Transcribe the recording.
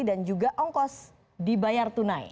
dan juga ongkos dibayar tunai